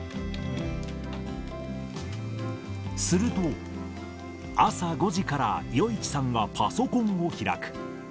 すると、朝５時から余一さんはパソコンを開く。